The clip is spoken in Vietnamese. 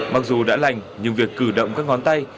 mặc dù đã lành nhưng việc cử động các ngón tay